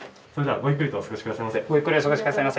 ごゆっくりお過ごし下さいませ。